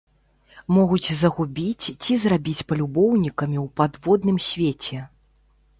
Могуць загубіць ці зрабіць палюбоўнікамі ў падводным свеце.